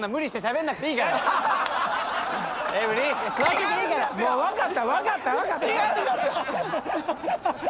もう分かった分かった。